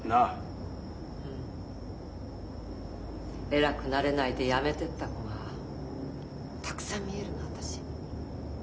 偉くなれないでやめてった子がたくさん見えるの私。